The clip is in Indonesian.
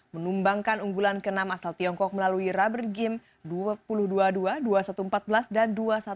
menumbangkan unggulan ke enam asal tiongkok melalui rubber game dua puluh dua dua puluh satu empat belas dan dua puluh satu dua belas